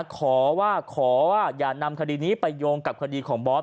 ขอว่าขออย่านำคดีนี้ไปโยงกับคดีของบอส